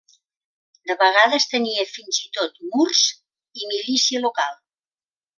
De vegades tenia fins i tot murs i milícia local.